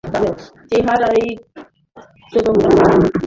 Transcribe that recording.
চেহারায় চোদনা লেখা?